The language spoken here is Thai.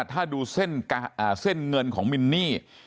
ถ้าดูเส้นเงินของมินนี่